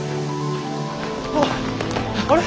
おっあれ？